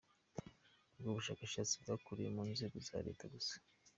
Ubwo bushakashatsi bwakorewe mu nzego za leta gusa.